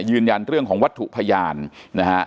ยืนยันเรื่องของวัตถุพยานนะฮะ